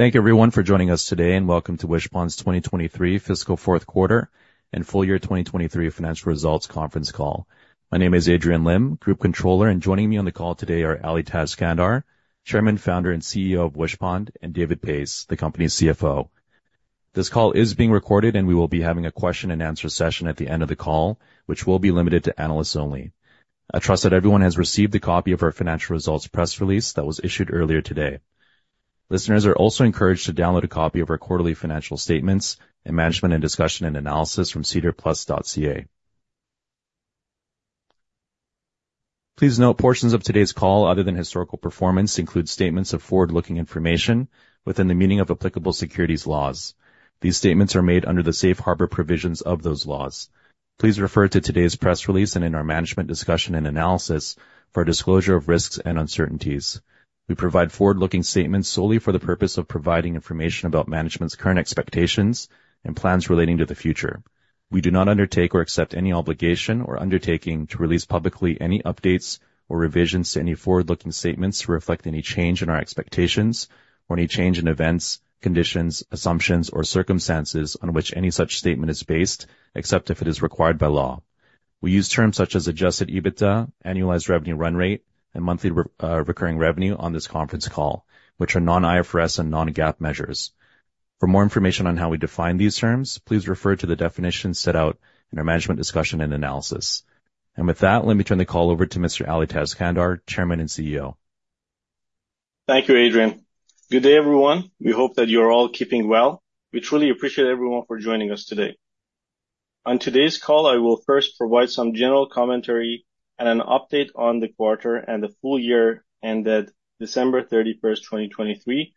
Thank you everyone for joining us today, and welcome to Wishpond's 2023 Fiscal Q4 and Full Year 2023 Financial Results Conference Call. My name is Adrian Lim, Group Controller, and joining me on the call today are Ali Tajskandar, Chairman, Founder, and CEO of Wishpond, and David Pais, the company's CFO. This call is being recorded, and we will be having a question and answer session at the end of the call, which will be limited to analysts only. I trust that everyone has received a copy of our financial results press release that was issued earlier today. Listeners are also encouraged to download a copy of our quarterly financial statements and management and discussion and analysis from sedarplus.ca. Please note, portions of today's call other than historical performance include statements of forward-looking information within the meaning of applicable securities laws. These statements are made under the safe harbor provisions of those laws. Please refer to today's press release and in our management discussion and analysis for disclosure of risks and uncertainties. We provide forward-looking statements solely for the purpose of providing information about management's current expectations and plans relating to the future. We do not undertake or accept any obligation or undertaking to release publicly any updates or revisions to any forward-looking statements to reflect any change in our expectations or any change in events, conditions, assumptions, or circumstances on which any such statement is based, except if it is required by law. We use terms such as Adjusted EBITDA, Annualized Revenue Run Rate, and Monthly Recurring Revenue on this conference call, which are non-IFRS and non-GAAP measures. For more information on how we define these terms, please refer to the definition set out in our management discussion and analysis. With that, let me turn the call over to Mr. Ali Tajskandar, Chairman and CEO. Thank you, Adrian. Good day, everyone. We hope that you are all keeping well. We truly appreciate everyone for joining us today. On today's call, I will first provide some general commentary and an update on the quarter and the full year ended December 31, 2023,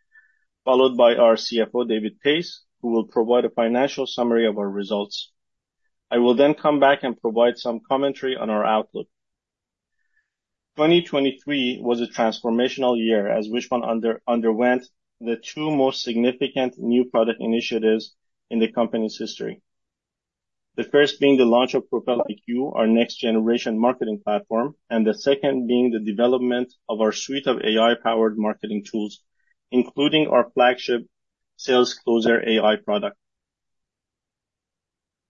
followed by our CFO, David Pais, who will provide a financial summary of our results. I will then come back and provide some commentary on our outlook. 2023 was a transformational year, as Wishpond underwent the two most significant new product initiatives in the company's history. The first being the launch of Propel IQ, our next generation marketing platform, and the second being the development of our suite of AI-powered marketing tools, including our flagship SalesCloser AI product.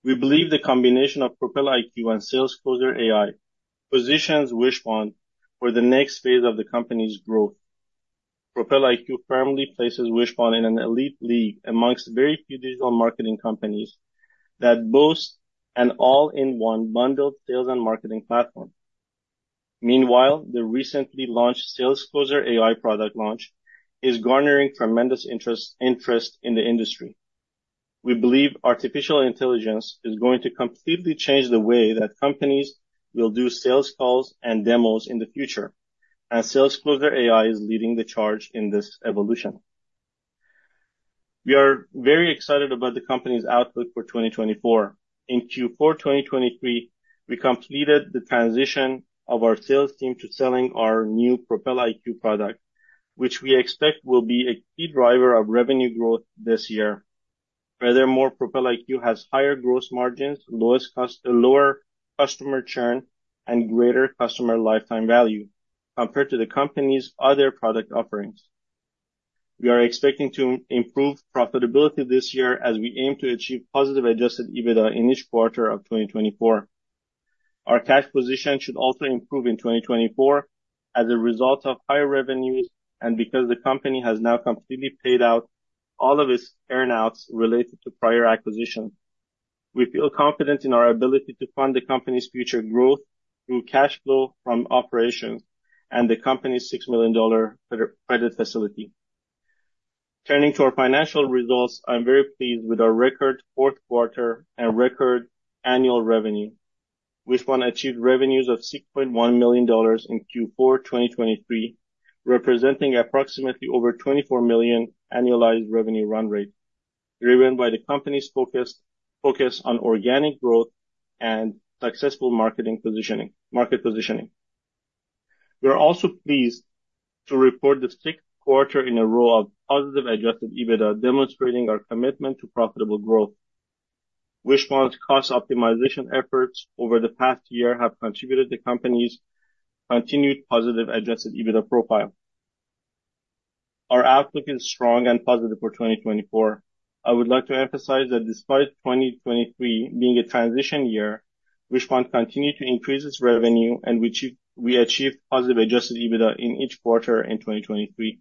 We believe the combination of Propel IQ and SalesCloser AI positions Wishpond for the next phase of the company's growth. Propel IQ firmly places Wishpond in an elite league among very few digital marketing companies that boast an all-in-one bundled sales and marketing platform. Meanwhile, the recently launched SalesCloser AI product launch is garnering tremendous interest, interest in the industry. We believe artificial intelligence is going to completely change the way that companies will do sales calls and demos in the future, and SalesCloser AI is leading the charge in this evolution. We are very excited about the company's outlook for 2024. In Q4 2023, we completed the transition of our sales team to selling our new Propel IQ product, which we expect will be a key driver of revenue growth this year. Furthermore, Propel IQ has higher gross margins, lower customer churn, and greater customer lifetime value compared to the company's other product offerings. We are expecting to improve profitability this year as we aim to achieve positive Adjusted EBITDA in each quarter of 2024. Our cash position should also improve in 2024 as a result of higher revenues and because the company has now completely paid out all of its earn-outs related to prior acquisitions. We feel confident in our ability to fund the company's future growth through cash flow from operations and the company's $6 million credit facility. Turning to our financial results, I'm very pleased with our record Q4 and record annual revenue. Wishpond achieved revenues of $6.1 million in Q4 2023, representing approximately over 24 million annualized revenue run rate, driven by the company's focus on organic growth and successful market positioning. We are also pleased to report the sixth quarter in a row of positive Adjusted EBITDA, demonstrating our commitment to profitable growth. Wishpond's cost optimization efforts over the past year have contributed to the company's continued positive Adjusted EBITDA profile. Our outlook is strong and positive for 2024. I would like to emphasize that despite 2023 being a transition year, Wishpond continued to increase its revenue, and we achieve, we achieved positive Adjusted EBITDA in each quarter in 2023.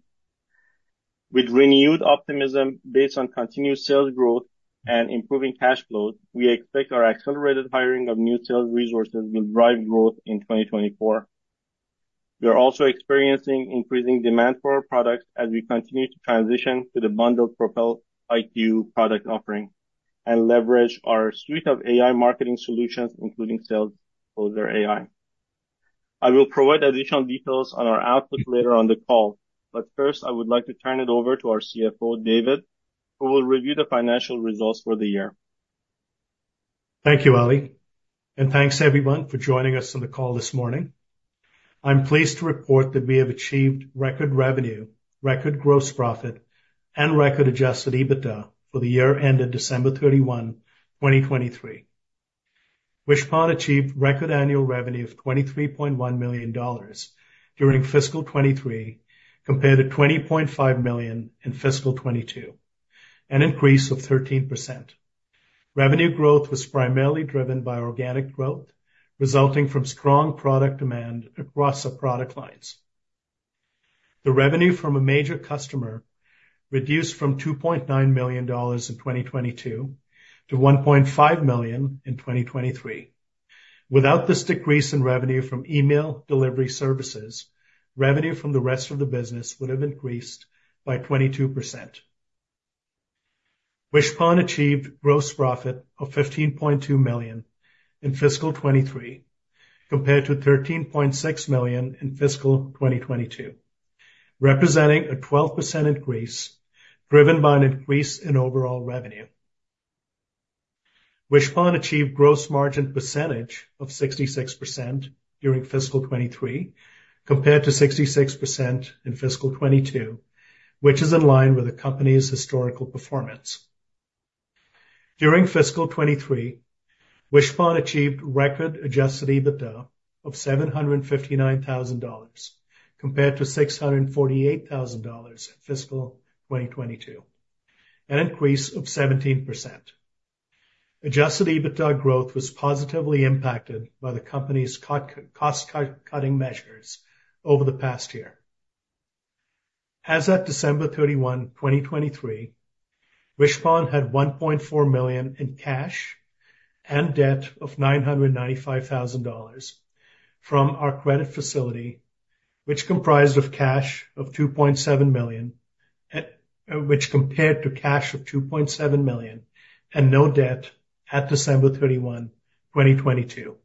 With renewed optimism based on continued sales growth and improving cash flow, we expect our accelerated hiring of new sales resources will drive growth in 2024. We are also experiencing increasing demand for our products as we continue to transition to the bundled Propel IQ product offering and leverage our suite of AI marketing solutions, including SalesCloser AI. I will provide additional details on our outlook later on the call, but first, I would like to turn it over to our CFO, David, who will review the financial results for the year. Thank you, Ali, and thanks everyone for joining us on the call this morning. I'm pleased to report that we have achieved record revenue, record gross profit, and record Adjusted EBITDA for the year ended December 31, 2023.... Wishpond achieved record annual revenue of 23.1 million dollars during fiscal 2023, compared to 20.5 million in fiscal 2022, an increase of 13%. Revenue growth was primarily driven by organic growth, resulting from strong product demand across our product lines. The revenue from a major customer reduced from 2.9 million dollars in 2022 to 1.5 million in 2023. Without this decrease in revenue from email delivery services, revenue from the rest of the business would have increased by 22%. Wishpond achieved gross profit of 15.2 million in fiscal 2023, compared to 13.6 million in fiscal 2022, representing a 12% increase, driven by an increase in overall revenue. Wishpond achieved gross margin percentage of 66% during fiscal 2023, compared to 66% in fiscal 2022, which is in line with the company's historical performance. During fiscal 2023, Wishpond achieved record adjusted EBITDA of 759,000 dollars, compared to 648,000 dollars in fiscal 2022, an increase of 17%. Adjusted EBITDA growth was positively impacted by the company's cost-cutting measures over the past year. As at December 31, 2023, Wishpond had 1.4 million in cash and debt of 995,000 dollars from our credit facility, which comprised of cash of 2.7 million, which compared to cash of 2.7 million and no debt at December 31, 2022.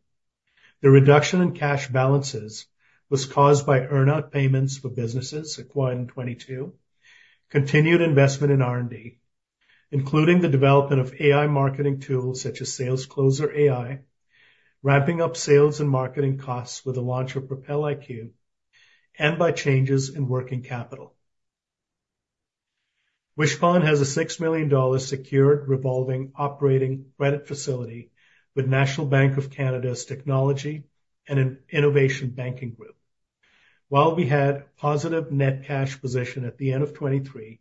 The reduction in cash balances was caused by earn-out payments for businesses acquired in 2022, continued investment in R&D, including the development of AI marketing tools such as SalesCloser AI, ramping up sales and marketing costs with the launch of Propel IQ, and by changes in working capital. Wishpond has a 6 million dollars secured revolving operating credit facility with National Bank of Canada's Technology and Innovation Banking Group. While we had positive net cash position at the end of 2023,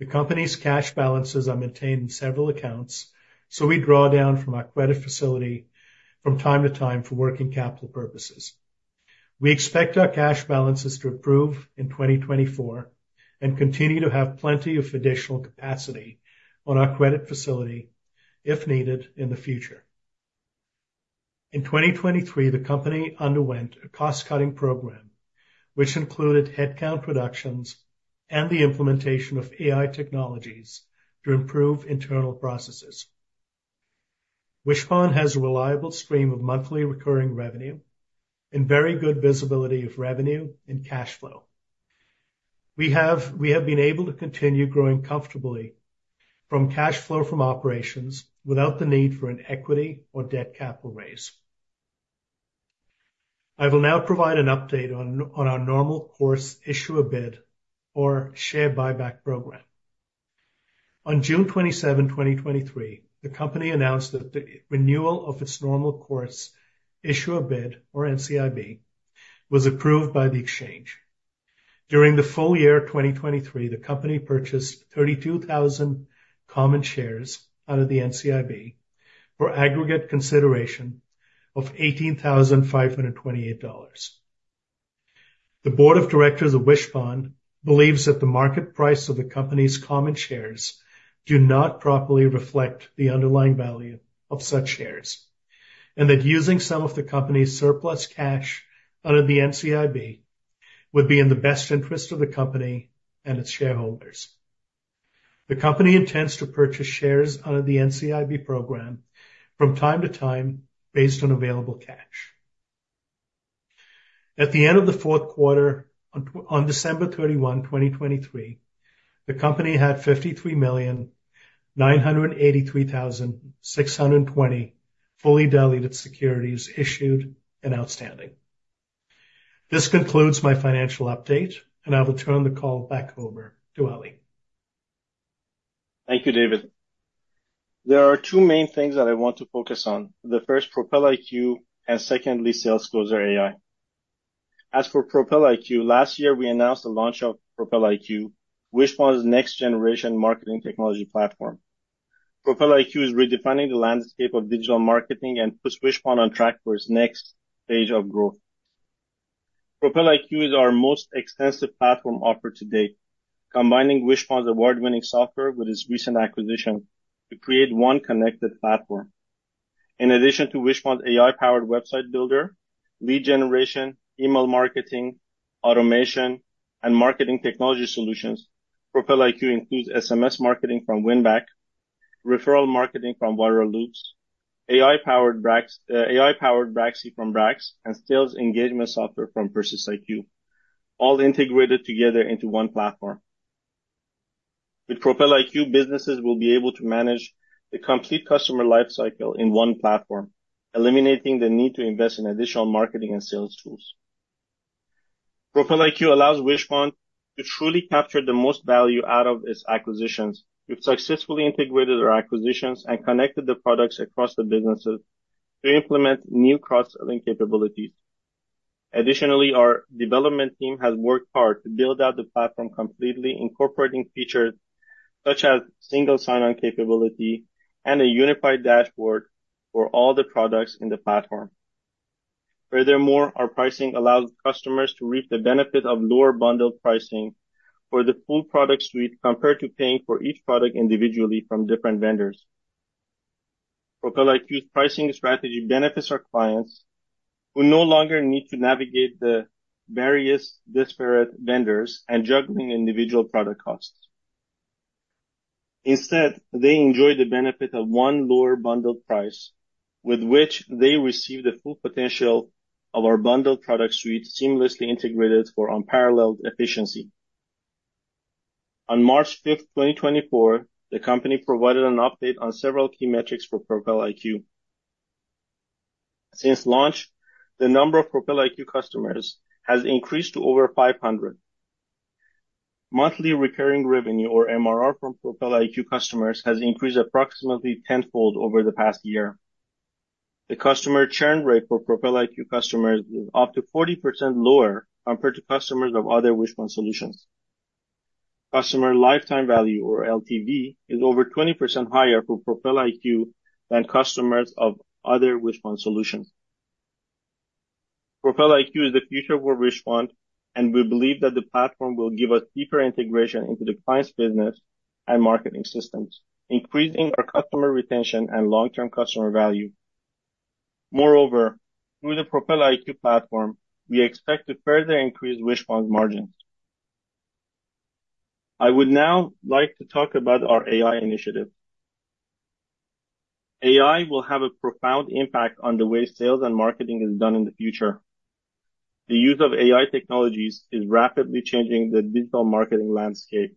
the company's cash balances are maintained in several accounts, so we draw down from our credit facility from time to time for working capital purposes. We expect our cash balances to improve in 2024 and continue to have plenty of additional capacity on our credit facility if needed in the future. In 2023, the company underwent a cost-cutting program, which included headcount reductions and the implementation of AI technologies to improve internal processes. Wishpond has a reliable stream of monthly recurring revenue and very good visibility of revenue and cash flow. We have, we have been able to continue growing comfortably from cash flow from operations without the need for an equity or debt capital raise. I will now provide an update on our normal course issuer bid or share buyback program. On June 27, 2023, the company announced that the renewal of its normal course issuer bid, or NCIB, was approved by the exchange. During the full year of 2023, the company purchased 32,000 common shares under the NCIB for aggregate consideration of 18,528 dollars. The board of directors of Wishpond believes that the market price of the company's common shares do not properly reflect the underlying value of such shares, and that using some of the company's surplus cash under the NCIB would be in the best interest of the company and its shareholders. The company intends to purchase shares under the NCIB program from time to time based on available cash. At the end of the Q4, on December 31, 2023, the company had 53,983,620 fully diluted securities issued and outstanding. This concludes my financial update, and I will turn the call back over to Ali. Thank you, David. There are two main things that I want to focus on. The first, Propel IQ, and secondly, SalesCloser AI. As for Propel IQ, last year, we announced the launch of Propel IQ, Wishpond's next generation marketing technology platform. Propel IQ is redefining the landscape of digital marketing and puts Wishpond on track for its next stage of growth. Propel IQ is our most extensive platform offer to date, combining Wishpond's award-winning software with its recent acquisition to create one connected platform. In addition to Wishpond's AI-powered website builder, lead generation, email marketing, automation, and marketing technology solutions, Propel IQ includes SMS marketing from Winback, referral marketing from Viral Loops, AI-powered Braxy from Brax, and sales engagement software from PersistIQ, all integrated together into one platform. With Propel IQ, businesses will be able to manage the complete customer life cycle in one platform, eliminating the need to invest in additional marketing and sales tools. Propel IQ allows Wishpond to truly capture the most value out of its acquisitions. We've successfully integrated our acquisitions and connected the products across the businesses to implement new cross-selling capabilities. Additionally, our development team has worked hard to build out the platform, completely incorporating features such as single sign-on capability and a unified dashboard for all the products in the platform. Furthermore, our pricing allows customers to reap the benefit of lower bundled pricing for the full product suite, compared to paying for each product individually from different vendors. Propel IQ's pricing strategy benefits our clients, who no longer need to navigate the various disparate vendors and juggling individual product costs. Instead, they enjoy the benefit of one lower bundled price, with which they receive the full potential of our bundled product suite, seamlessly integrated for unparalleled efficiency. On March 5th, 2024, the company provided an update on several key metrics for Propel IQ. Since launch, the number of Propel IQ customers has increased to over 500. Monthly recurring revenue, or MRR, from Propel IQ customers has increased approximately tenfold over the past year. The customer churn rate for Propel IQ customers is up to 40% lower compared to customers of other Wishpond solutions. Customer lifetime value, or LTV, is over 20% higher for Propel IQ than customers of other Wishpond solutions. Propel IQ is the future for Wishpond, and we believe that the platform will give us deeper integration into the client's business and marketing systems, increasing our customer retention and long-term customer value. Moreover, through the Propel IQ platform, we expect to further increase Wishpond margins. I would now like to talk about our AI initiative. AI will have a profound impact on the way sales and marketing is done in the future. The use of AI technologies is rapidly changing the digital marketing landscape,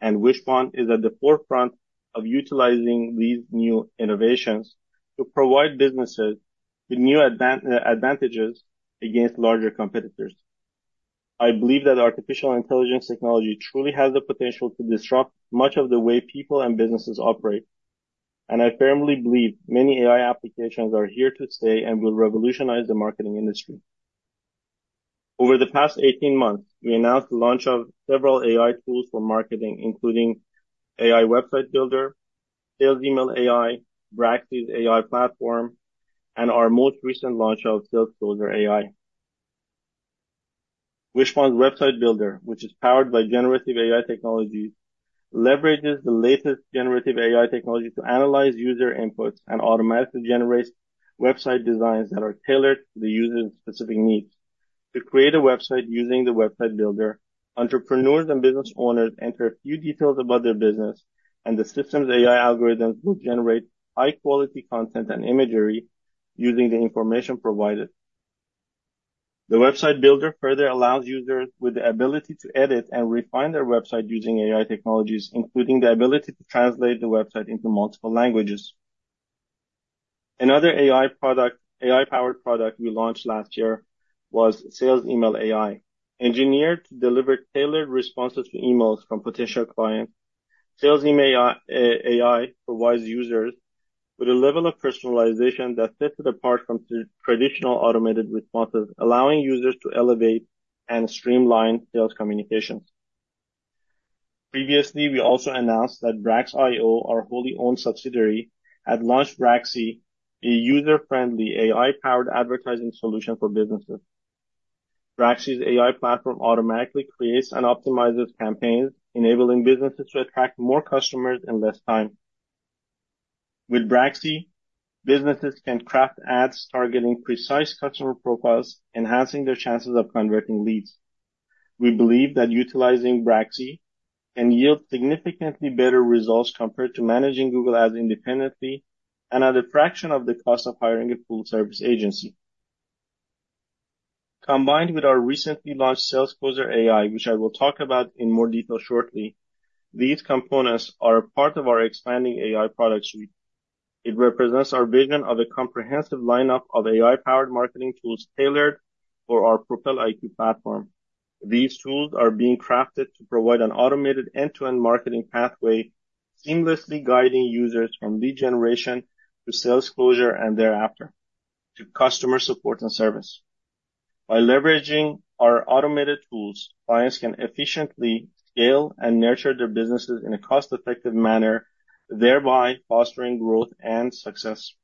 and Wishpond is at the forefront of utilizing these new innovations to provide businesses with new advantages against larger competitors. I believe that artificial intelligence technology truly has the potential to disrupt much of the way people and businesses operate, and I firmly believe many AI applications are here to stay and will revolutionize the marketing industry. Over the past 18 months, we announced the launch of several AI tools for marketing, including AI Website Builder, Sales Email AI, Braxy's AI platform, and our most recent launch of SalesCloser AI. Wishpond's Website Builder, which is powered by generative AI technologies, leverages the latest generative AI technology to analyze user inputs and automatically generates website designs that are tailored to the user's specific needs. To create a website using the Website Builder, entrepreneurs and business owners enter a few details about their business, and the system's AI algorithms will generate high-quality content and imagery using the information provided. The Website Builder further allows users with the ability to edit and refine their website using AI technologies, including the ability to translate the website into multiple languages. Another AI-powered product we launched last year was Sales Email AI. Engineered to deliver tailored responses to emails from potential clients, Sales Email AI provides users with a level of personalization that sets it apart from traditional automated responses, allowing users to elevate and streamline sales communications. Previously, we also announced that Brax, our wholly owned subsidiary, had launched Braxy, a user-friendly, AI-powered advertising solution for businesses. Braxy's AI platform automatically creates and optimizes campaigns, enabling businesses to attract more customers in less time. With Braxy, businesses can craft ads targeting precise customer profiles, enhancing their chances of converting leads. We believe that utilizing Braxy can yield significantly better results compared to managing Google Ads independently, and at a fraction of the cost of hiring a full-service agency. Combined with our recently launched SalesCloser AI, which I will talk about in more detail shortly, these components are a part of our expanding AI product suite. It represents our vision of a comprehensive lineup of AI-powered marketing tools tailored for our Propel IQ platform. These tools are being crafted to provide an automated end-to-end marketing pathway, seamlessly guiding users from lead generation to SalesCloser and thereafter to customer support and service. By leveraging our automated tools, clients can efficiently scale and nurture their businesses in a cost-effective manner, thereby fostering growth and success.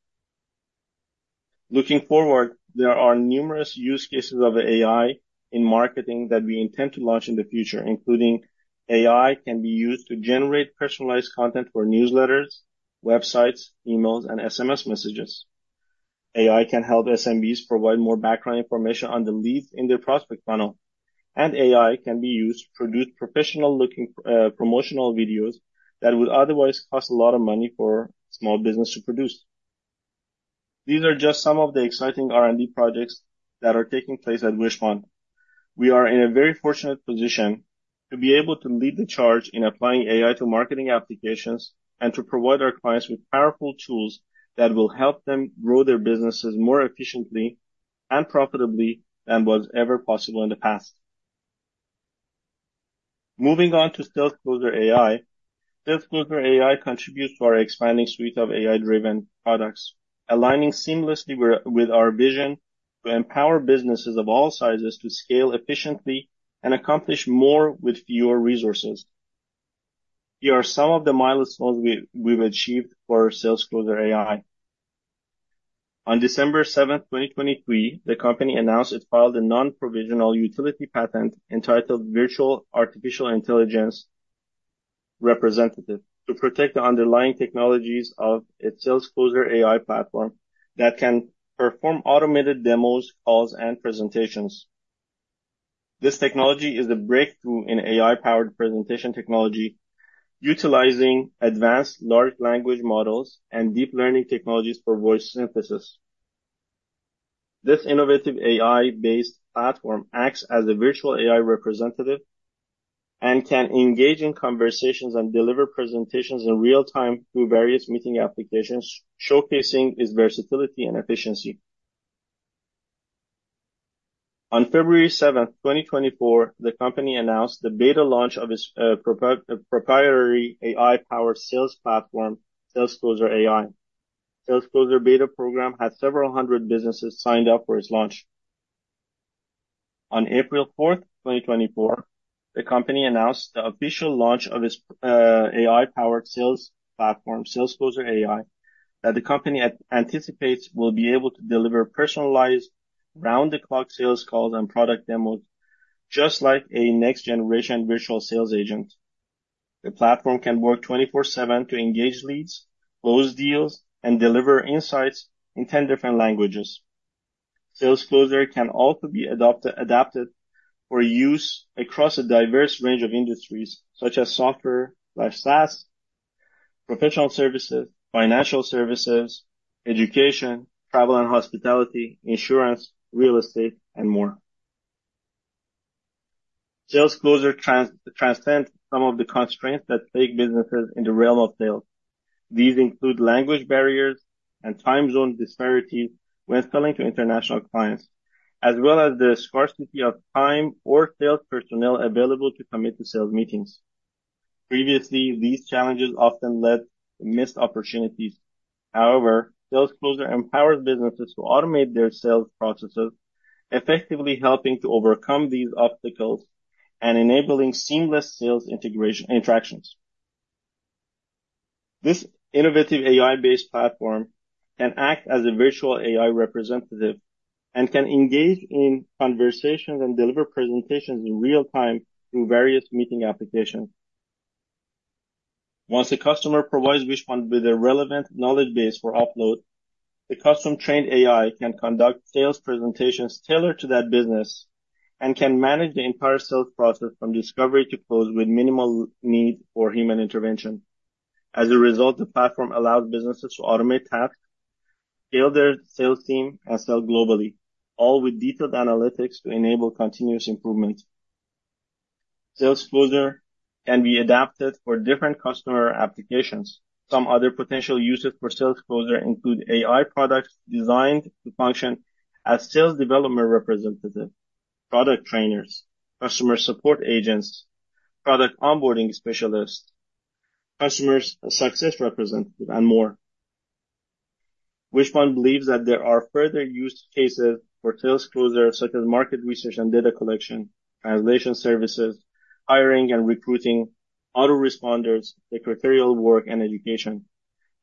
Looking forward, there are numerous use cases of AI in marketing that we intend to launch in the future, including AI can be used to generate personalized content for newsletters, websites, emails, and SMS messages. AI can help SMBs provide more background information on the leads in their prospect funnel, and AI can be used to produce professional-looking promotional videos that would otherwise cost a lot of money for small business to produce. These are just some of the exciting R&D projects that are taking place at Wishpond. We are in a very fortunate position-... To be able to lead the charge in applying AI to marketing applications, and to provide our clients with powerful tools that will help them grow their businesses more efficiently and profitably than was ever possible in the past. Moving on to SalesCloser AI. SalesCloser AI contributes to our expanding suite of AI-driven products, aligning seamlessly with our vision to empower businesses of all sizes to scale efficiently and accomplish more with fewer resources. Here are some of the milestones we've achieved for SalesCloser AI. On December 7, 2023, the company announced it filed a non-provisional utility patent entitled Virtual Artificial Intelligence Representative, to protect the underlying technologies of its SalesCloser AI platform that can perform automated demos, calls, and presentations. This technology is a breakthrough in AI-powered presentation technology, utilizing advanced large language models and deep learning technologies for voice synthesis. This innovative AI-based platform acts as a virtual AI representative and can engage in conversations and deliver presentations in real time through various meeting applications, showcasing its versatility and efficiency. On February 7, 2024, the company announced the beta launch of its proprietary AI-powered sales platform, SalesCloser AI. SalesCloser beta program had several hundred businesses signed up for its launch. On April 4, 2024, the company announced the official launch of its AI-powered sales platform, SalesCloser AI, that the company anticipates will be able to deliver personalized, round-the-clock sales calls and product demos, just like a next-generation virtual sales agent. The platform can work 24/7 to engage leads, close deals, and deliver insights in 10 different languages. SalesCloser can also be adapted for use across a diverse range of industries such as software, like SaaS, professional services, financial services, education, travel and hospitality, insurance, real estate, and more. SalesCloser transcends some of the constraints that plague businesses in the realm of sales. These include language barriers and time zone disparities when selling to international clients, as well as the scarcity of time or sales personnel available to commit to sales meetings. Previously, these challenges often led to missed opportunities. However, SalesCloser empowers businesses to automate their sales processes, effectively helping to overcome these obstacles and enabling seamless sales integration interactions. This innovative AI-based platform can act as a virtual AI representative and can engage in conversations and deliver presentations in real time through various meeting applications. Once a customer provides Wishpond with a relevant knowledge base for upload, the custom-trained AI can conduct sales presentations tailored to that business and can manage the entire sales process from discovery to close, with minimal need for human intervention. As a result, the platform allows businesses to automate tasks, scale their sales team, and sell globally, all with detailed analytics to enable continuous improvement. SalesCloser can be adapted for different customer applications. Some other potential uses for SalesCloser include AI products designed to function as sales development representative, product trainers, customer support agents, product onboarding specialists, customer success representatives, and more. Wishpond believes that there are further use cases for SalesCloser, such as market research and data collection, translation services, hiring and recruiting, autoresponders, secretarial work, and education.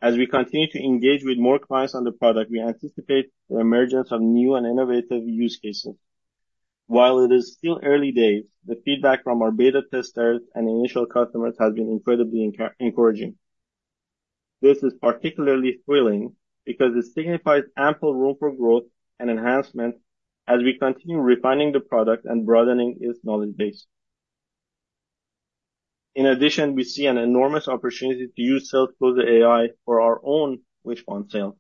As we continue to engage with more clients on the product, we anticipate the emergence of new and innovative use cases. While it is still early days, the feedback from our beta testers and initial customers has been incredibly encouraging. This is particularly thrilling because it signifies ample room for growth and enhancement as we continue refining the product and broadening its knowledge base. In addition, we see an enormous opportunity to use SalesCloser AI for our own Wishpond sales.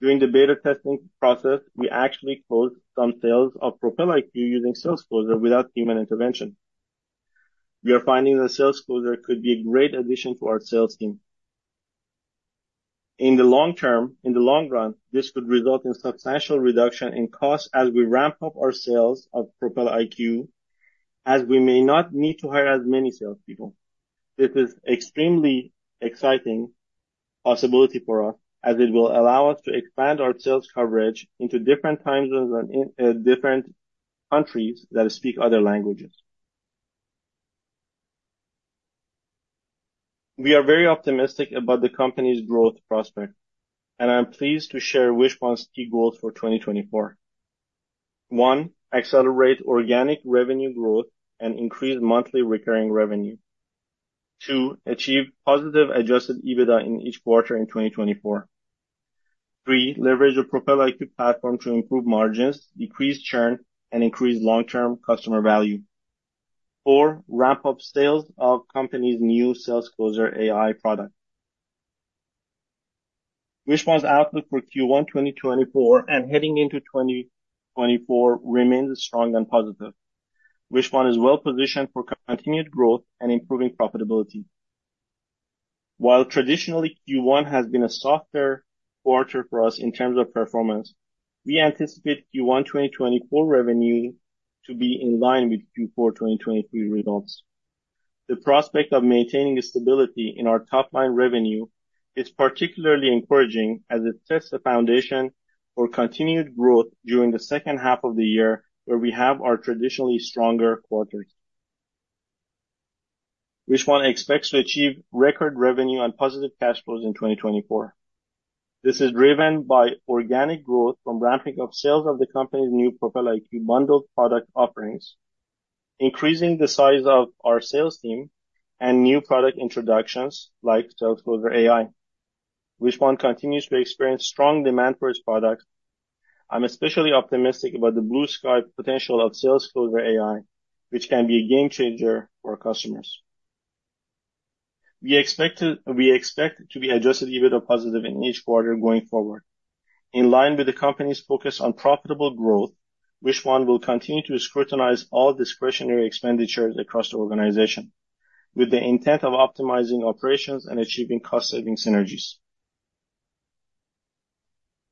During the beta testing process, we actually closed some sales of Propel IQ using SalesCloser without human intervention. We are finding that SalesCloser could be a great addition to our sales team. In the long run, this could result in substantial reduction in costs as we ramp up our sales of Propel IQ, as we may not need to hire as many salespeople. This is extremely exciting possibility for us, as it will allow us to expand our sales coverage into different time zones and in different countries that speak other languages. We are very optimistic about the company's growth prospect, and I'm pleased to share Wishpond's key goals for 2024. One, accelerate organic revenue growth and increase monthly recurring revenue. Two, achieve positive Adjusted EBITDA in each quarter in 2024. Three, leverage the Propel IQ platform to improve margins, decrease churn, and increase long-term customer value. Four, ramp up sales of company's new SalesCloser AI product. Wishpond's outlook for Q1 2024 and heading into 2024 remains strong and positive. Wishpond is well positioned for continued growth and improving profitability. While traditionally, Q1 has been a softer quarter for us in terms of performance, we anticipate Q1 2024 revenue to be in line with Q4 2023 results. The prospect of maintaining the stability in our top-line revenue is particularly encouraging as it sets the foundation for continued growth during the H2 of the year, where we have our traditionally stronger quarters. Wishpond expects to achieve record revenue and positive cash flows in 2024. This is driven by organic growth from ramping up sales of the company's new Propel IQ bundled product offerings, increasing the size of our sales team, and new product introductions like SalesCloser AI. Wishpond continues to experience strong demand for its products. I'm especially optimistic about the blue-sky potential of SalesCloser AI, which can be a game-changer for our customers. We expect to, we expect to be Adjusted EBITDA positive in each quarter going forward. In line with the company's focus on profitable growth, Wishpond will continue to scrutinize all discretionary expenditures across the organization, with the intent of optimizing operations and achieving cost-saving synergies.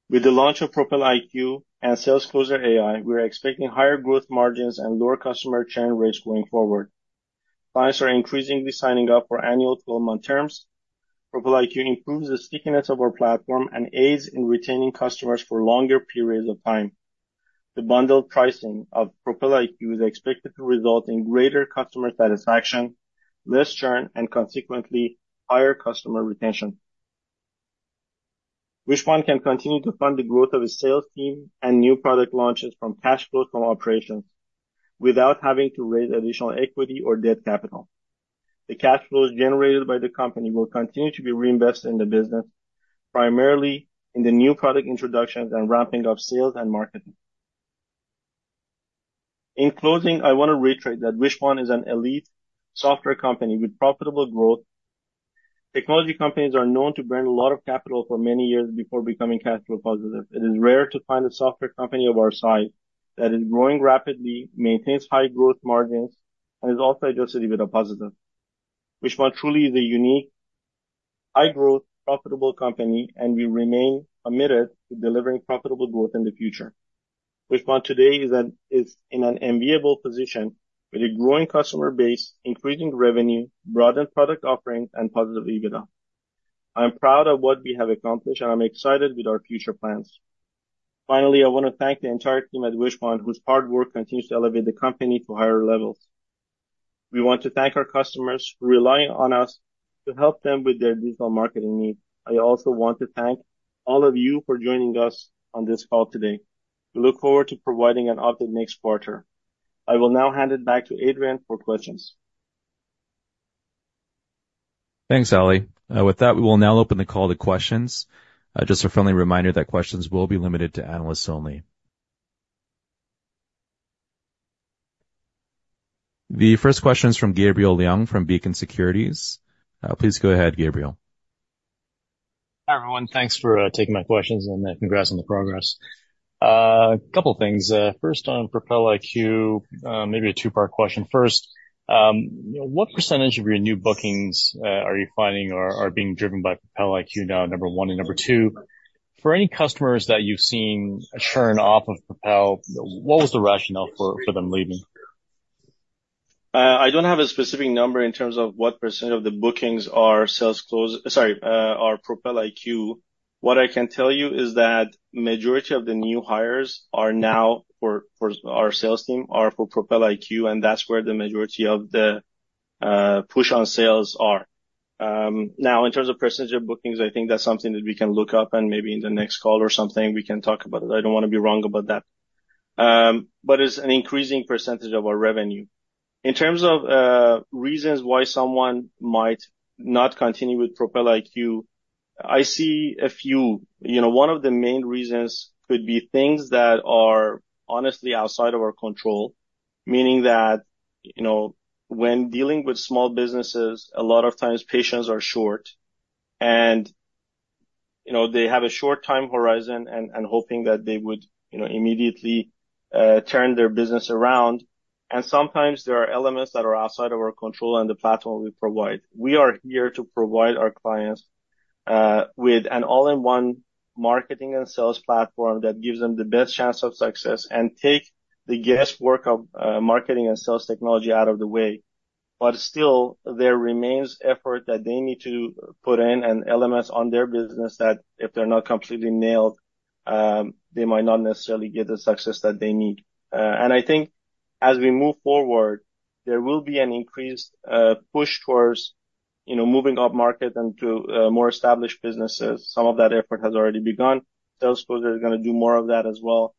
With the launch of Propel IQ and SalesCloser AI, we're expecting higher gross margins and lower customer churn rates going forward. Clients are increasingly signing up for annual twelve-month terms. Propel IQ improves the stickiness of our platform and aids in retaining customers for longer periods of time. The bundled pricing of Propel IQ is expected to result in greater customer satisfaction, less churn, and consequently, higher customer retention. Wishpond can continue to fund the growth of its sales team and new product launches from cash flows from operations without having to raise additional equity or debt capital. The cash flows generated by the company will continue to be reinvested in the business, primarily in the new product introductions and ramping of sales and marketing. In closing, I want to reiterate that Wishpond is an elite software company with profitable growth. Technology companies are known to burn a lot of capital for many years before becoming cash flow positive. It is rare to find a software company of our size that is growing rapidly, maintains high gross margins, and is also Adjusted EBITDA positive. Wishpond truly is a unique, high-growth, profitable company, and we remain committed to delivering profitable growth in the future. Wishpond today is in an enviable position with a growing customer base, increasing revenue, broadened product offerings, and positive EBITDA. I'm proud of what we have accomplished, and I'm excited with our future plans. Finally, I want to thank the entire team at Wishpond, whose hard work continues to elevate the company to higher levels. We want to thank our customers for relying on us to help them with their digital marketing needs. I also want to thank all of you for joining us on this call today. We look forward to providing an update next quarter. I will now hand it back to Adrian for questions. Thanks, Ali. With that, we will now open the call to questions. Just a friendly reminder that questions will be limited to analysts only. The first question is from Gabriel Leung, from Beacon Securities. Please go ahead, Gabriel. Hi, everyone. Thanks for taking my questions, and congrats on the progress. Couple things. First on Propel IQ, maybe a two-part question. First, what percentage of your new bookings are you finding are being driven by Propel IQ now, number one? And number two, for any customers that you've seen churn off of Propel, what was the rationale for them leaving? I don't have a specific number in terms of what percent of the bookings are sales close-- sorry, are Propel IQ. What I can tell you is that majority of the new hires are now for, for our sales team, are for Propel IQ, and that's where the majority of the push on sales are. Now, in terms of percentage of bookings, I think that's something that we can look up and maybe in the next call or something, we can talk about it. I don't want to be wrong about that. But it's an increasing percentage of our revenue. In terms of reasons why someone might not continue with Propel IQ, I see a few. You know, one of the main reasons could be things that are honestly outside of our control, meaning that, you know, when dealing with small businesses, a lot of times patience is short, and, you know, they have a short time horizon and hoping that they would, you know, immediately turn their business around. And sometimes there are elements that are outside of our control and the platform we provide. We are here to provide our clients with an all-in-one marketing and sales platform that gives them the best chance of success and take the guesswork out of marketing and sales technology. But still, there remains effort that they need to put in and elements on their business that if they're not completely nailed, they might not necessarily get the success that they need. I think as we move forward, there will be an increased push towards, you know, moving upmarket and to more established businesses. Some of that effort has already begun. SalesCloser is gonna do more of that as well.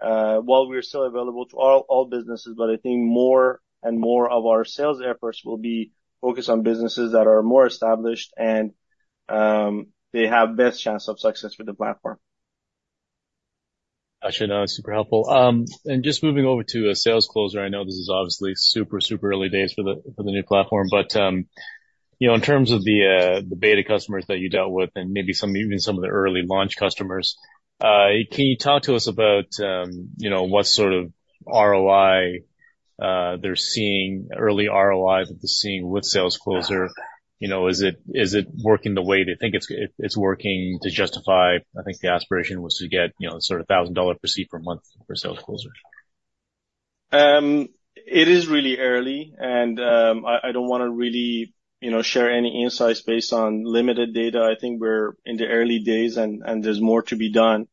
While we are still available to all businesses, but I think more and more of our sales efforts will be focused on businesses that are more established and they have best chance of success with the platform.... Gotcha, no, super helpful. And just moving over to a SalesCloser, I know this is obviously super, super early days for the new platform, but you know, in terms of the beta customers that you dealt with and maybe some, even some of the early launch customers, can you talk to us about you know, what sort of ROI they're seeing, early ROI that they're seeing with SalesCloser? You know, is it working the way they think it's working to justify... I think the aspiration was to get, you know, sort of 1,000 dollar per seat per month for SalesCloser. It is really early, and I don't want to really, you know, share any insights based on limited data. I think we're in the early days and there's more to be done.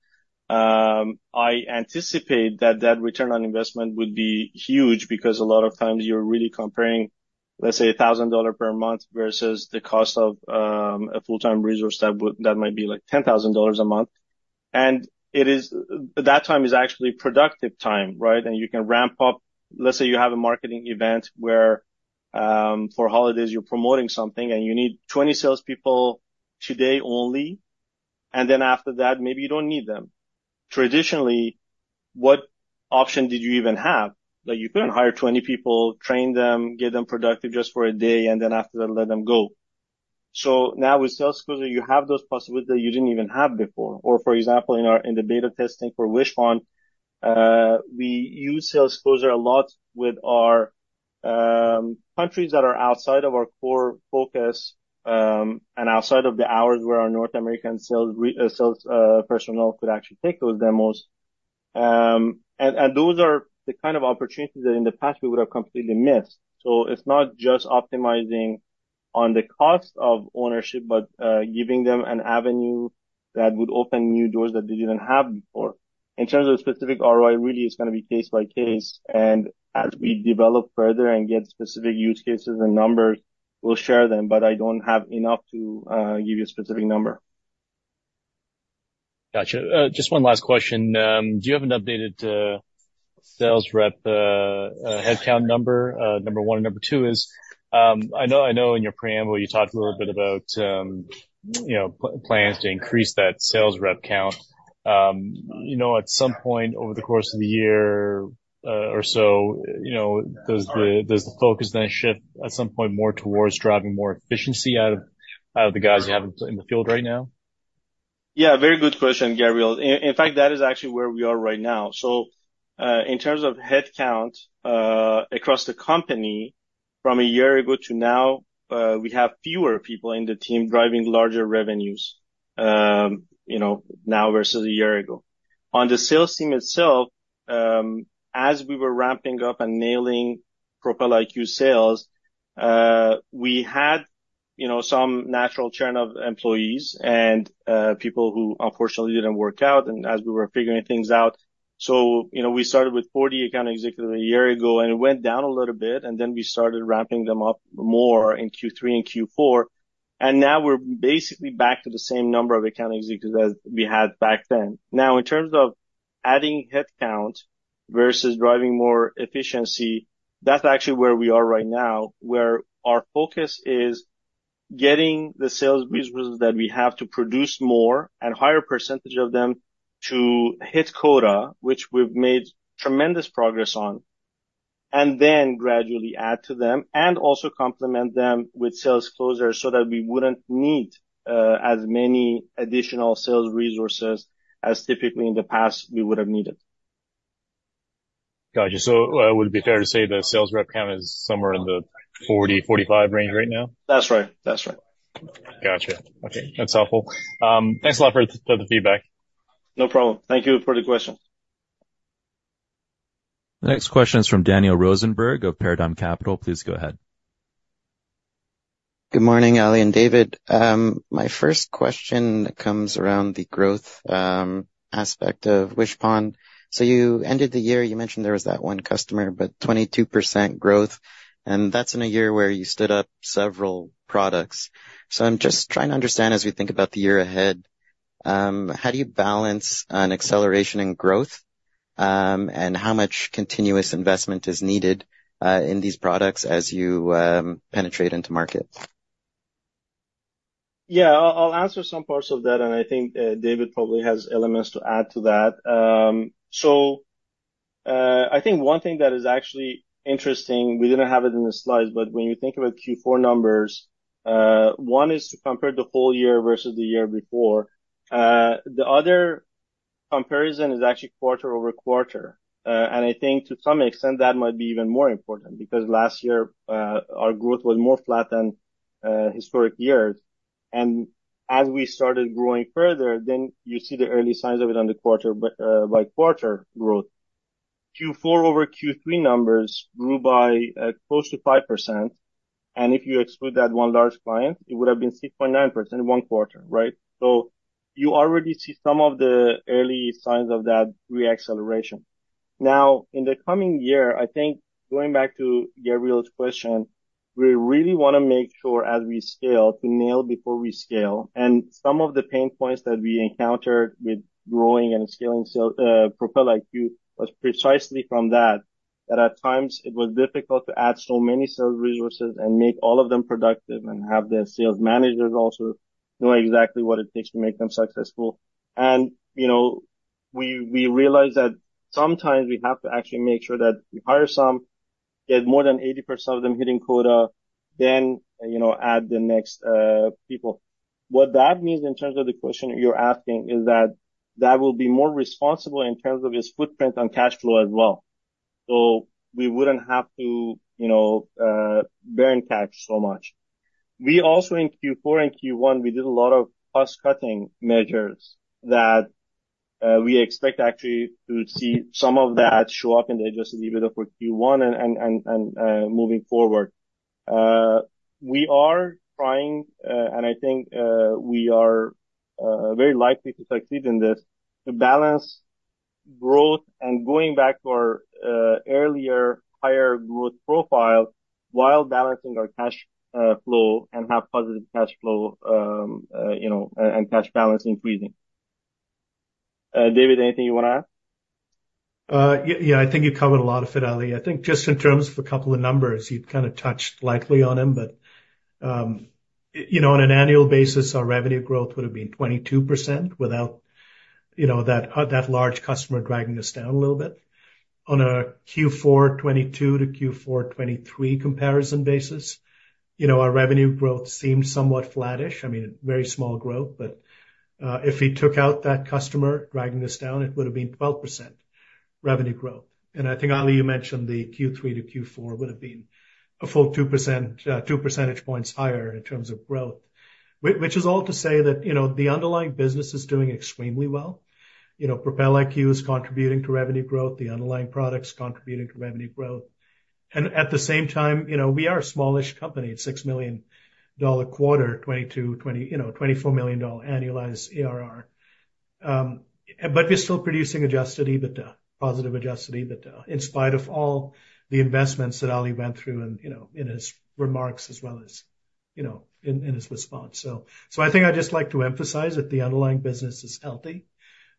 I anticipate that that return on investment would be huge because a lot of times you're really comparing, let's say, $1,000 per month versus the cost of a full-time resource that might be like $10,000 a month. And it is that time is actually productive time, right? And you can ramp up. Let's say you have a marketing event where, for holidays, you're promoting something, and you need 20 salespeople today only, and then after that, maybe you don't need them. Traditionally, what option did you even have? Like, you couldn't hire 20 people, train them, get them productive just for a day, and then after that, let them go. So now with SalesCloser, you have those possibilities that you didn't even have before. Or, for example, in the beta testing for Wishpond, we use SalesCloser a lot with our countries that are outside of our core focus, and outside of the hours where our North American sales personnel could actually take those demos. And those are the kind of opportunities that in the past we would have completely missed. So it's not just optimizing on the cost of ownership, but giving them an avenue that would open new doors that they didn't have before. In terms of the specific ROI, really, it's gonna be case by case, and as we develop further and get specific use cases and numbers, we'll share them, but I don't have enough to give you a specific number. Gotcha. Just one last question. Do you have an updated sales rep headcount number, number one? And number two is, I know, I know in your preamble, you talked a little bit about, you know, plans to increase that sales rep count. You know, at some point over the course of the year or so, you know, does the focus then shift at some point more towards driving more efficiency out of the guys you have in the field right now? Yeah, very good question, Gabriel. In fact, that is actually where we are right now. So, in terms of headcount, across the company, from a year ago to now, we have fewer people in the team driving larger revenues, you know, now versus a year ago. On the sales team itself, as we were ramping up and nailing Propel IQ sales, we had, you know, some natural churn of employees and, people who unfortunately didn't work out, and as we were figuring things out. So, you know, we started with 40 account executives a year ago, and it went down a little bit, and then we started ramping them up more in Q3 and Q4, and now we're basically back to the same number of account executives as we had back then. Now, in terms of adding headcount versus driving more efficiency, that's actually where we are right now, where our focus is getting the sales resources that we have to produce more and higher percentage of them to hit quota, which we've made tremendous progress on, and then gradually add to them and also complement them with sales closers so that we wouldn't need as many additional sales resources as typically in the past we would have needed. Got you. So, would it be fair to say the sales rep count is somewhere in the 40-45 range right now? That's right. That's right. Gotcha. Okay, that's helpful. Thanks a lot for the feedback. No problem. Thank you for the question. The next question is from Daniel Rosenberg of Paradigm Capital. Please go ahead. Good morning, Ali and David. My first question comes around the growth aspect of Wishpond. So you ended the year, you mentioned there was that one customer, but 22% growth, and that's in a year where you stood up several products. So I'm just trying to understand, as we think about the year ahead, how do you balance an acceleration in growth, and how much continuous investment is needed in these products as you penetrate into market? Yeah, I'll answer some parts of that, and I think David probably has elements to add to that. So, I think one thing that is actually interesting, we didn't have it in the slides, but when you think about Q4 numbers, one is to compare the full year versus the year before. The other comparison is actually quarter-over-quarter. And I think to some extent, that might be even more important, because last year our growth was more flat than historic years. And as we started growing further, then you see the early signs of it on the quarter-by-quarter growth. Q4 over Q3 numbers grew by close to 5%, and if you exclude that one large client, it would have been 6.9%, one quarter, right? So you already see some of the early signs of that re-acceleration. Now, in the coming year, I think going back to Gabriel's question, we really want to make sure as we scale, to nail before we scale. And some of the pain points that we encountered with growing and scaling sales, Propel IQ, was precisely from that, that at times it was difficult to add so many sales resources and make all of them productive, and have the sales managers also know exactly what it takes to make them successful. And, you know, we realized that sometimes we have to actually make sure that we hire some, get more than 80% of them hitting quota, then, you know, add the next people. What that means in terms of the question you're asking, is that that will be more responsible in terms of its footprint on cash flow as well. So we wouldn't have to, you know, burn cash so much. We also in Q4 and Q1, we did a lot of cost-cutting measures that, we expect actually to see some of that show up in the Adjusted EBITDA for Q1 and moving forward. We are trying, and I think, we are very likely to succeed in this, to balance growth and going back to our earlier higher growth profile while balancing our cash flow and have positive cash flow, you know, and cash balance increasing. David, anything you want to add? Yeah, I think you covered a lot of it, Ali. I think just in terms of a couple of numbers, you kind of touched lightly on them, but you know, on an annual basis, our revenue growth would have been 22% without, you know, that large customer dragging us down a little bit. On a Q4 2022 to Q4 2023 comparison basis, you know, our revenue growth seemed somewhat flattish. I mean, very small growth, but if we took out that customer dragging us down, it would have been 12% revenue growth. And I think, Ali, you mentioned the Q3 to Q4 would have been a full two percentage points higher in terms of growth. Which is all to say that, you know, the underlying business is doing extremely well. You know, Propel IQ is contributing to revenue growth, the underlying product is contributing to revenue growth. At the same time, you know, we are a smallish company, at 6 million dollar quarter, 22, 20... you know, 24 million dollar annualized ARR. But we're still producing adjusted EBITDA, positive adjusted EBITDA, in spite of all the investments that Ali went through and, you know, in his remarks as well as, you know, in his response. So, I think I'd just like to emphasize that the underlying business is healthy.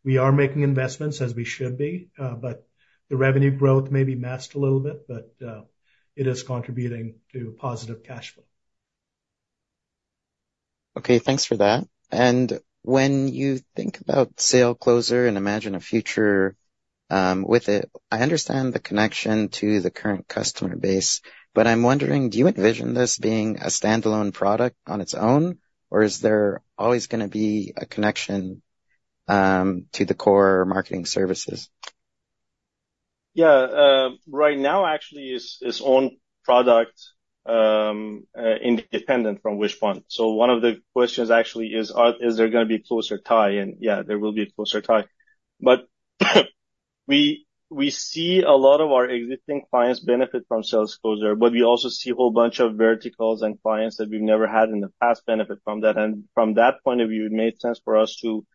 We are making investments as we should be, but the revenue growth may be masked a little bit, but it is contributing to positive cash flow. Okay, thanks for that. When you think about SalesCloser and imagine a future with it, I understand the connection to the current customer base, but I'm wondering, do you envision this being a standalone product on its own, or is there always gonna be a connection to the core marketing services? Yeah, right now, actually, it's its own product, independent from Wishpond. So one of the questions actually is, is there gonna be a closer tie? And, yeah, there will be a closer tie. But, we see a lot of our existing clients benefit from SalesCloser, but we also see a whole bunch of verticals and clients that we've never had in the past benefit from that. And from that point of view, it made sense for us to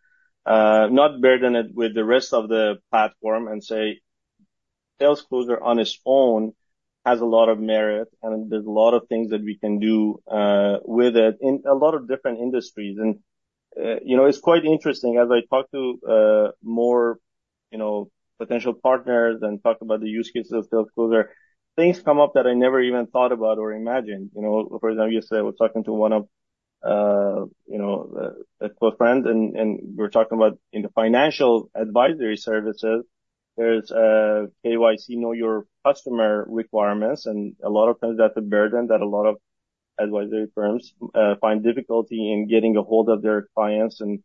not burden it with the rest of the platform and say, SalesCloser on its own has a lot of merit, and there's a lot of things that we can do with it in a lot of different industries. You know, it's quite interesting, as I talk to more, you know, potential partners and talk about the use cases of SalesCloser, things come up that I never even thought about or imagined. You know, for example, yesterday, I was talking to one of, you know, a close friend, and we were talking about in the financial advisory services, there's a KYC, Know Your Customer requirements, and a lot of times that's a burden that a lot of advisory firms find difficulty in getting a hold of their clients and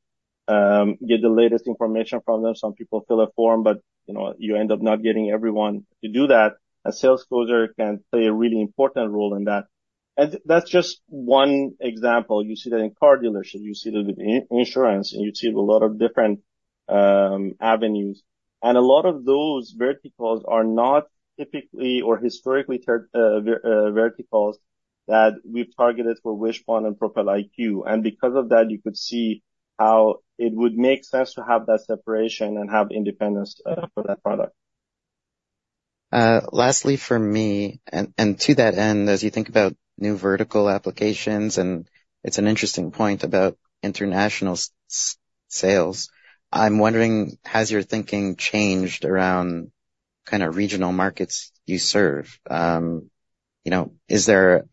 get the latest information from them. Some people fill a form, but, you know, you end up not getting everyone to do that. A SalesCloser can play a really important role in that. And that's just one example. You see that in car dealership, you see that with insurance, and you see it a lot of different avenues. A lot of those verticals are not typically or historically targeted verticals that we've targeted for Wishpond and Propel IQ. Because of that, you could see how it would make sense to have that separation and have independence for that product. Lastly, for me, to that end, as you think about new vertical applications, and it's an interesting point about international sales, I'm wondering, has your thinking changed around kind of regional markets you serve? You know, is there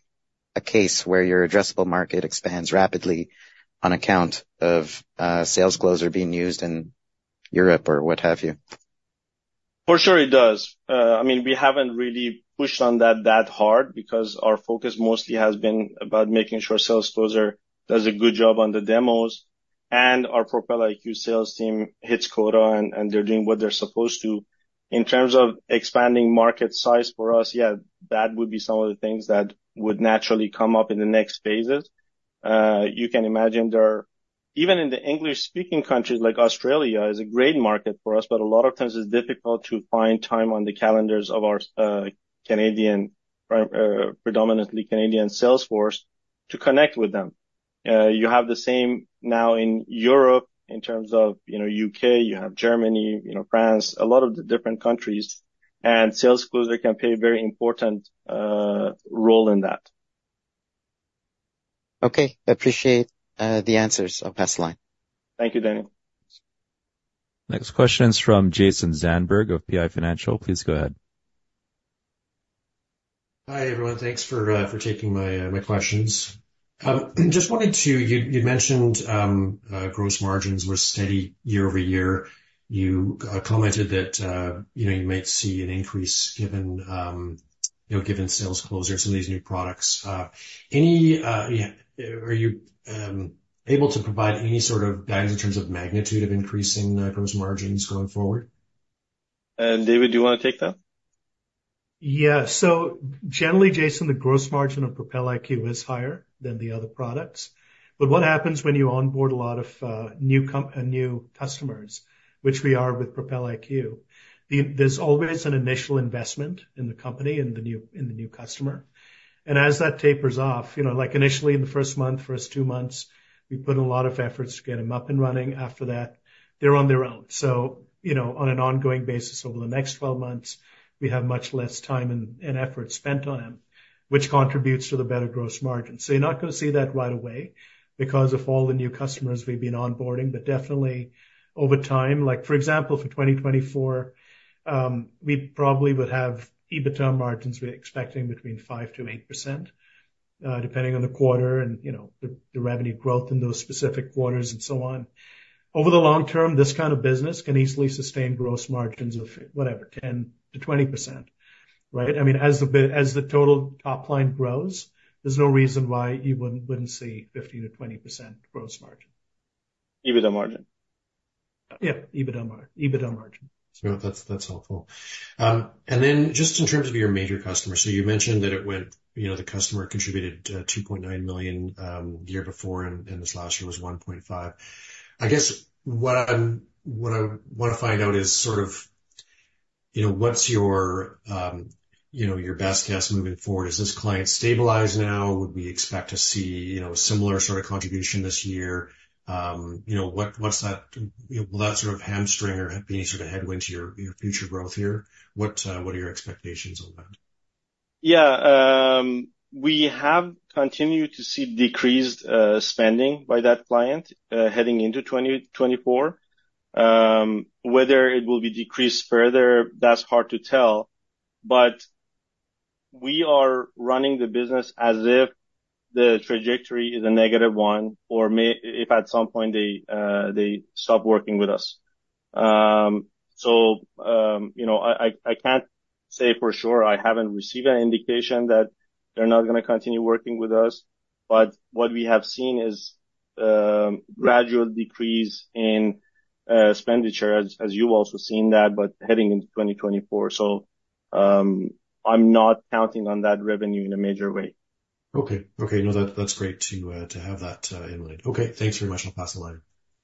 a case where your addressable market expands rapidly on account of SalesCloser being used in Europe or what have you? For sure, it does. I mean, we haven't really pushed on that that hard because our focus mostly has been about making sure SalesCloser does a good job on the demos, and our Propel IQ sales team hits quota and they're doing what they're supposed to. In terms of expanding market size for us, yeah, that would be some of the things that would naturally come up in the next phases. You can imagine there are... Even in the English-speaking countries, like Australia, is a great market for us, but a lot of times it's difficult to find time on the calendars of our predominantly Canadian sales force to connect with them. You have the same now in Europe in terms of, you know, UK, you have Germany, you know, France, a lot of the different countries, and SalesCloser can play a very important role in that.... Okay, I appreciate the answers. I'll pass the line. Thank you, Daniel. Next question is from Jason Zandberg of PI Financial. Please go ahead. Hi, everyone. Thanks for taking my questions. Just wanted to, you mentioned gross margins were steady year-over-year. You commented that, you know, you might see an increase given, you know, given SalesCloser of some of these new products. Any, are you able to provide any sort of guidance in terms of magnitude of increasing gross margins going forward? David, do you want to take that? Yeah. So generally, Jason, the gross margin of Propel IQ is higher than the other products. But what happens when you onboard a lot of new customers, which we are with Propel IQ? There's always an initial investment in the company, in the new customer. And as that tapers off, you know, like initially in the first month, first two months, we put a lot of efforts to get them up and running. After that, they're on their own. So, you know, on an ongoing basis over the next 12 months, we have much less time and effort spent on them, which contributes to the better gross margin. So you're not going to see that right away because of all the new customers we've been onboarding, but definitely over time. Like, for example, for 2024, we probably would have EBITDA margins we're expecting between 5%-8%, depending on the quarter and, you know, the revenue growth in those specific quarters and so on. Over the long term, this kind of business can easily sustain gross margins of, whatever, 10%-20%, right? I mean, as the total top line grows, there's no reason why you wouldn't see 15%-20% gross margin. EBITDA margin? Yeah, EBITDA margin, EBITDA margin. So that's helpful. And then just in terms of your major customers, so you mentioned that it went... You know, the customer contributed 2.9 million the year before, and this last year was 1.5 million. I guess what I'm, what I want to find out is sort of, you know, what's your, you know, your best guess moving forward? Is this client stabilized now? Would we expect to see, you know, a similar sort of contribution this year? You know, what, what's that, you know, will that sort of hamstring or be any sort of headwind to your, your future growth here? What, what are your expectations on that? Yeah, we have continued to see decreased spending by that client heading into 2024. Whether it will be decreased further, that's hard to tell, but we are running the business as if the trajectory is a negative one or may- if at some point, they stop working with us. So, you know, I can't say for sure. I haven't received an indication that they're not going to continue working with us, but what we have seen is gradual decrease in expenditure, as you've also seen that, but heading into 2024. So, I'm not counting on that revenue in a major way. Okay. Okay, no, that, that's great to, to have that in mind. Okay, thanks very much. I'll pass the line.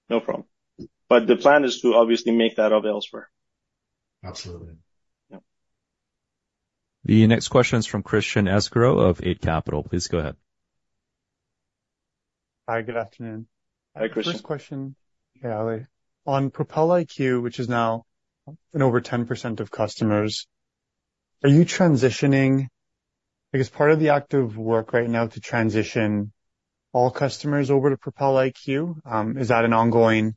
No problem. But the plan is to obviously make that up elsewhere. Absolutely. Yeah. The next question is from Christian Sgro of Eight Capital. Please go ahead. Hi, good afternoon. Hi, Christian. First question, Ali. On Propel IQ, which is now in over 10% of customers, are you transitioning... Because part of the active work right now to transition all customers over to Propel IQ, is that an ongoing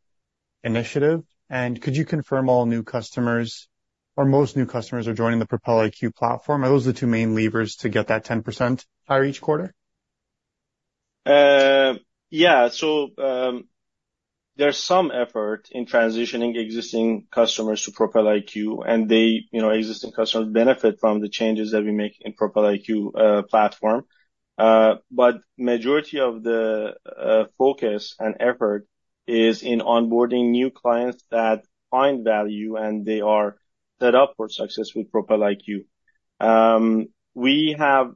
initiative? And could you confirm all new customers or most new customers are joining the Propel IQ platform? Are those the two main levers to get that 10% higher each quarter? Yeah. So, there's some effort in transitioning existing customers to Propel IQ, and they, you know, existing customers benefit from the changes that we make in Propel IQ platform. But majority of the focus and effort is in onboarding new clients that find value, and they are set up for success with Propel IQ. We have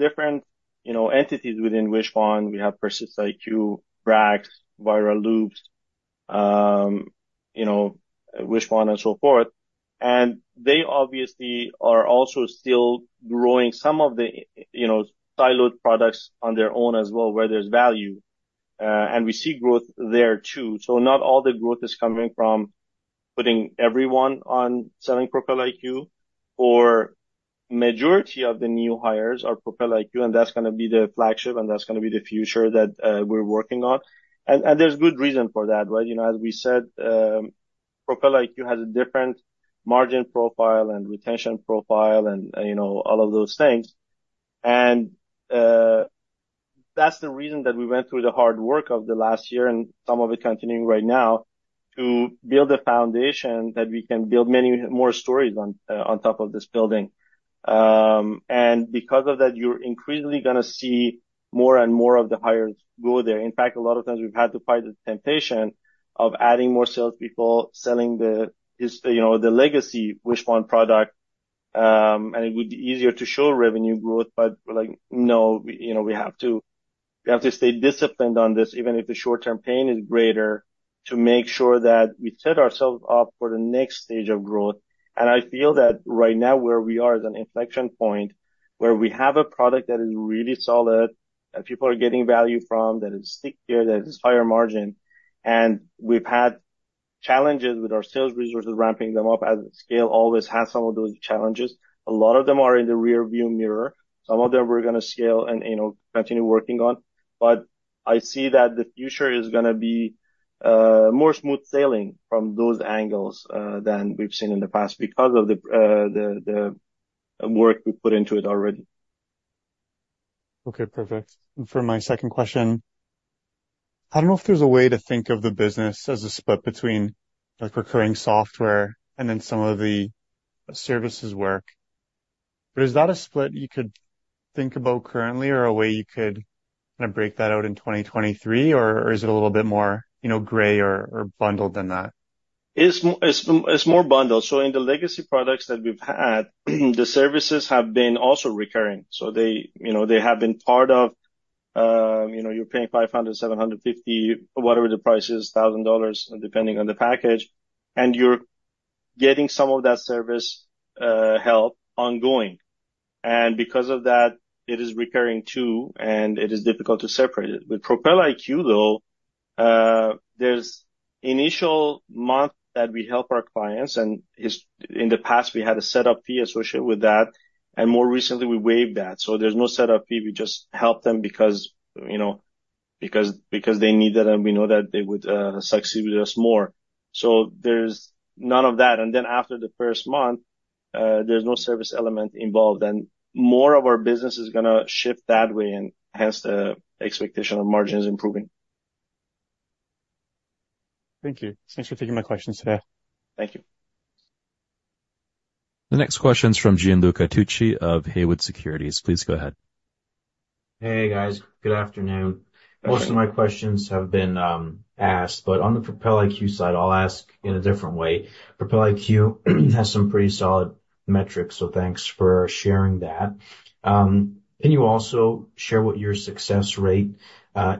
different, you know, entities within Wishpond. We have PersistIQ, Brax, Viral Loops, you know, Wishpond, and so forth. And they obviously are also still growing some of the, you know, siloed products on their own as well, where there's value, and we see growth there too. So not all the growth is coming from putting everyone on selling Propel IQ, or majority of the new hires are Propel IQ, and that's going to be the flagship, and that's going to be the future that, we're working on. And, and there's good reason for that, right? You know, as we said, Propel IQ has a different margin profile and retention profile and, you know, all of those things. And, that's the reason that we went through the hard work of the last year and some of it continuing right now, to build a foundation that we can build many more stories on, on top of this building. And because of that, you're increasingly going to see more and more of the hires go there. In fact, a lot of times we've had to fight the temptation of adding more salespeople, selling the, just, you know, the legacy Wishpond product, and it would be easier to show revenue growth. But we're like, "No, you know, we have to, we have to stay disciplined on this, even if the short-term pain is greater, to make sure that we set ourselves up for the next stage of growth." And I feel that right now, where we are is an inflection point, where we have a product that is really solid, that people are getting value from, that is stickier, that is higher margin. And we've had challenges with our sales resources, ramping them up as scale always has some of those challenges. A lot of them are in the rear view mirror. Some of them we're going to scale and, you know, continue working on. But I see that the future is gonna be more smooth sailing from those angles than we've seen in the past because of the work we put into it already. Okay, perfect. For my second question, I don't know if there's a way to think of the business as a split between the recurring software and then some of the services work. But is that a split you could think about currently or a way you could kind of break that out in 2023? Or is it a little bit more, you know, gray or bundled than that? It's more bundled. So in the legacy products that we've had, the services have been also recurring. So they, you know, they have been part of, you know, you're paying $500, $750, whatever the price is, $1,000, depending on the package, and you're getting some of that service, help ongoing. And because of that, it is recurring too, and it is difficult to separate it. With Propel IQ, though, there's an initial month that we help our clients, and in the past, we had a setup fee associated with that, and more recently, we waived that. So there's no setup fee. We just help them because, you know, because they need it, and we know that they would succeed with us more. So there's none of that. And then after the first month, there's no service element involved, and more of our business is gonna shift that way and hence the expectation of margins improving. Thank you. Thanks for taking my questions today. Thank you. The next question is from Gianluca Tucci of Haywood Securities. Please go ahead. Hey, guys. Good afternoon. Most of my questions have been asked, but on the Propel IQ side, I'll ask in a different way. Propel IQ has some pretty solid metrics, so thanks for sharing that. Can you also share what your success rate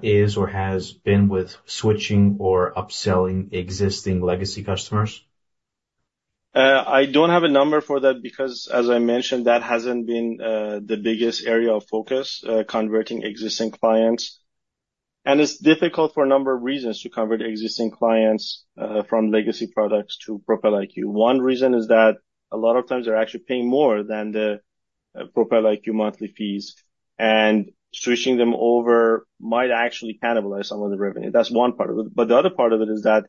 is or has been with switching or upselling existing legacy customers? I don't have a number for that because, as I mentioned, that hasn't been the biggest area of focus, converting existing clients. And it's difficult for a number of reasons to convert existing clients from legacy products to Propel IQ. One reason is that a lot of times they're actually paying more than the Propel IQ monthly fees, and switching them over might actually cannibalize some of the revenue. That's one part of it. But the other part of it is that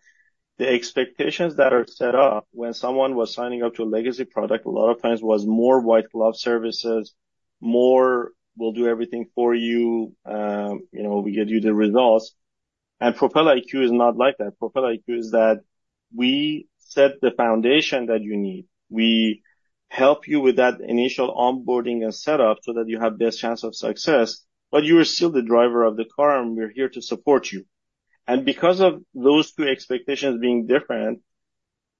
the expectations that are set up when someone was signing up to a legacy product, a lot of times was more white glove services, more we'll do everything for you, you know, we get you the results. And Propel IQ is not like that. Propel IQ is that we set the foundation that you need. We help you with that initial onboarding and setup so that you have the best chance of success, but you are still the driver of the car, and we're here to support you. And because of those two expectations being different,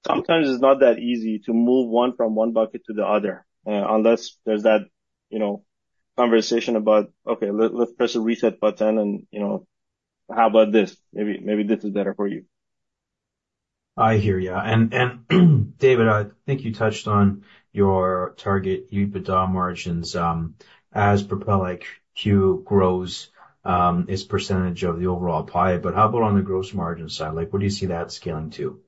sometimes it's not that easy to move one from one bucket to the other, unless there's that, you know, conversation about, "Okay, let's press a reset button and, you know, how about this? Maybe, maybe this is better for you. I hear you. And, David, I think you touched on your target EBITDA margins, as Propel IQ grows, its percentage of the overall pie. But how about on the gross margin side? Like, where do you see that scaling to?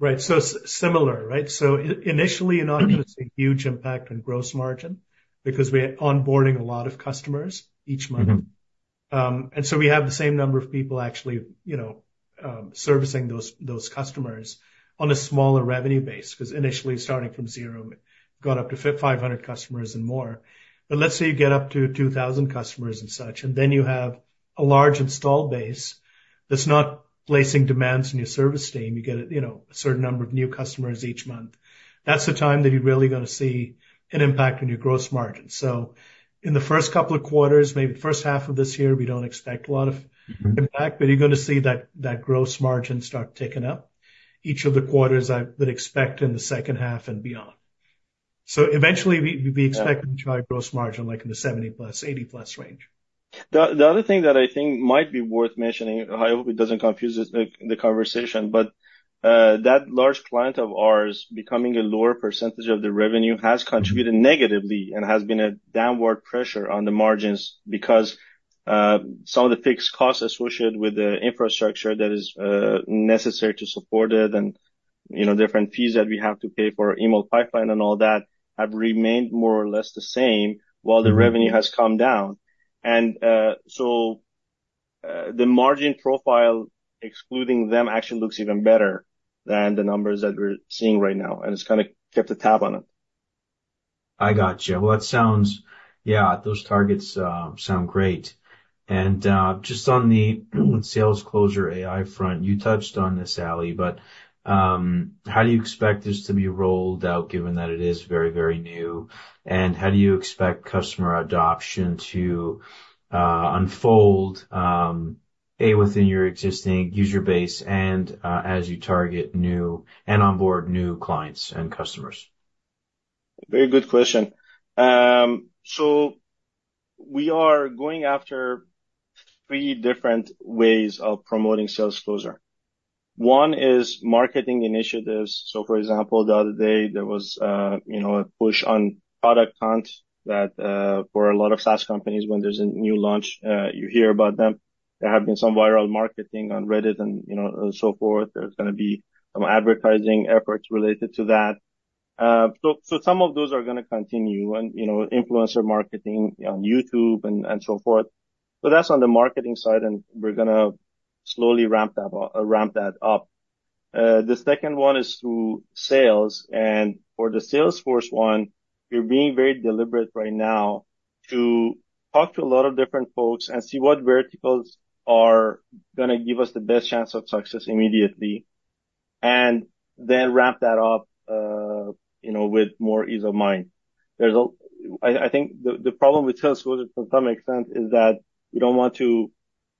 Right. So similar, right? So initially, you're not gonna see a huge impact on gross margin because we are onboarding a lot of customers each month. And so we have the same number of people actually, you know, servicing those, those customers on a smaller revenue base, because initially, starting from zero, got up to 500 customers and more. But let's say you get up to 2,000 customers and such, and then you have a large installed base that's not placing demands on your service team. You get a, you know, a certain number of new customers each month. That's the time that you're really gonna see an impact on your gross margin. So in the first couple of quarters, maybe the H1 of this year, we don't expect a lot of impact, but you're gonna see that gross margin start ticking up each of the quarters, I would expect in the H2 and beyond. So eventually, we, we expect to drive Gross Margin, like in the 70%+, 80%+ range. The other thing that I think might be worth mentioning, I hope it doesn't confuse the conversation, but that large client of ours, becoming a lower percentage of the revenue, has contributed negatively and has been a downward pressure on the margins because some of the fixed costs associated with the infrastructure that is necessary to support it and, you know, different fees that we have to pay for email pipeline and all that, have remained more or less the same while the revenue has come down. And, so, the margin profile, excluding them, actually looks even better than the numbers that we're seeing right now, and it's kind of kept a tab on it. I got you. Well, that sounds... Yeah, those targets sound great. And just on the SalesCloser AI front, you touched on this, Ali, but how do you expect this to be rolled out, given that it is very, very new? And how do you expect customer adoption to unfold, A, within your existing user base and as you target new and onboard new clients and customers? Very good question. So we are going after three different ways of promoting SalesCloser. One is marketing initiatives. So, for example, the other day, there was a, you know, a push on Product Hunt that for a lot of SaaS companies, when there's a new launch, you hear about them. There have been some viral marketing on Reddit and, you know, and so forth. There's gonna be some advertising efforts related to that. So some of those are going to continue, and, you know, influencer marketing on YouTube and so forth. So that's on the marketing side, and we're going to slowly ramp that up, ramp that up. The second one is through sales, and for the sales force one, we're being very deliberate right now to talk to a lot of different folks and see what verticals are going to give us the best chance of success immediately, and then ramp that up, you know, with more ease of mind. I think the problem with sales force, to some extent, is that we don't want to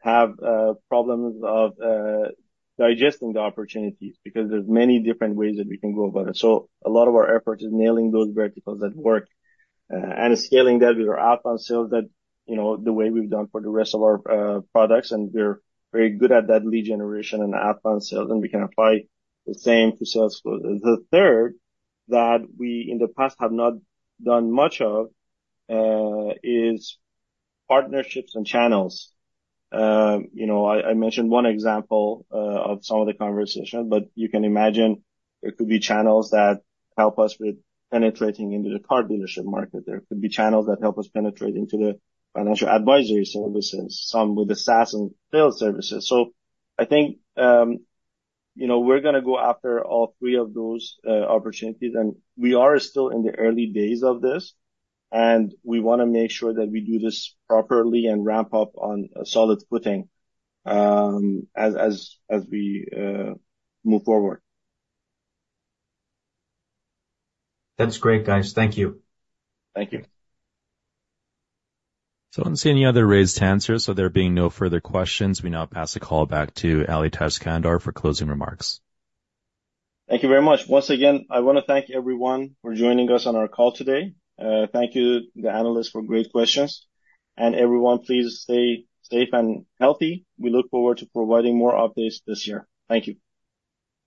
have problems of digesting the opportunities, because there's many different ways that we can go about it. So a lot of our effort is nailing those verticals that work, and scaling that with our outbound sales that, you know, the way we've done for the rest of our products, and we're very good at that lead generation and outbound sales, and we can apply the same to sales force. The third, that we, in the past, have not done much of, is partnerships and channels. You know, I mentioned one example of some of the conversation, but you can imagine there could be channels that help us with penetrating into the car dealership market. There could be channels that help us penetrate into the financial advisory services, some with SaaS and sales services. So I think, you know, we're going to go after all three of those opportunities, and we are still in the early days of this, and we want to make sure that we do this properly and ramp up on a solid footing, as we move forward. That's great, guys. Thank you. Thank you. I don't see any other raised hands here. There being no further questions, we now pass the call back to Ali Tajskandar for closing remarks. Thank you very much. Once again, I want to thank everyone for joining us on our call today. Thank you to the analysts for great questions. Everyone, please stay safe and healthy. We look forward to providing more updates this year. Thank you.